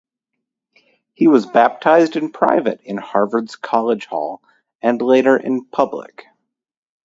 He was baptized in private in Harvard's College Hall and later in public.